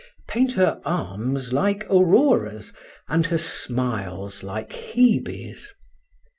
Paint her arms like Aurora's and her smiles like Hebe's.